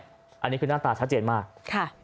อันนี้คือหน้าตาชัดเจนมากค่ะ